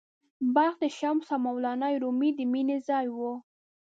بلخ د “شمس او مولانا رومي” د مینې ځای و.